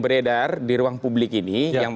beredar di ruang publik ini yang